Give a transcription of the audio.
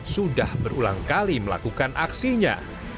sudah berulang kali melakukan aksinya